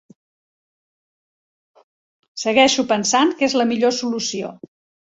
Segueixo pensant que és la millor solució.